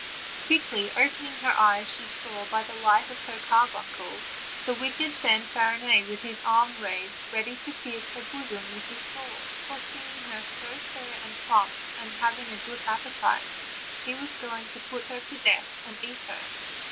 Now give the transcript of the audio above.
Quickly opening her eyes she saw, by the light of her carbuncle, the wicked Fanfarinet, with his arm raised ready to pierce her bosom with his sword; for, seeing her so fair and plump, and having a good appetite, he was going to put her to death and eat her.